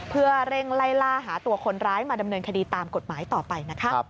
เพื่อเร่งไล่ล่าหาตัวคนร้ายมาดำเนินคดีตามกฎหมายต่อไปนะคะ